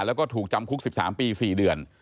แล้วก็ถูกจำคุก๑๓ปี๔เดือน